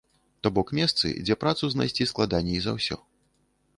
То бок месцы, дзе працу знайсці складаней за ўсё.